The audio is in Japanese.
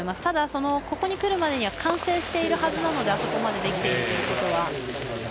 ただ、ここに来るまでには完成しているはずなのであそこまでできてるということは。